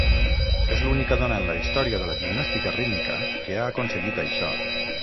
És l'única dona en la història de la gimnàstica rítmica que ha aconseguit això.